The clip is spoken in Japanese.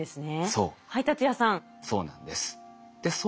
そうなんです。